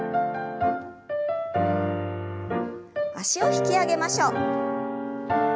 脚を引き上げましょう。